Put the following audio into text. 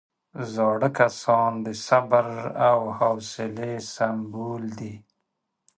زاړه کسان د صبر او حوصلې سمبول دي